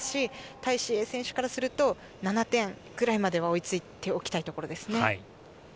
タイ・シエイ選手からすると７点くらいまで追いついておきたいところですね。